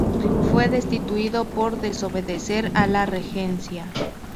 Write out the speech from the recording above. Fue destituido por desobedecer a la Regencia.